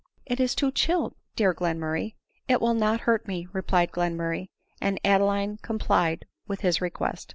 " It is too chill, dear Glenmurray." " It will not hurt me," replied Glenmurray ; and Ad eline complied with his request.